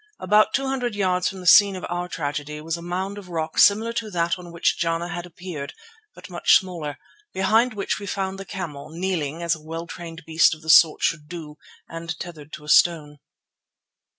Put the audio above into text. About two hundred yards from the scene of our tragedy was a mound of rock similar to that on which Jana had appeared, but much smaller, behind which we found the camel, kneeling as a well trained beast of the sort should do and tethered to a stone.